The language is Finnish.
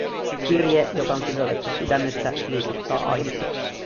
Kirje, joka on kirjoitettu sydämestä, liikuttaa aina.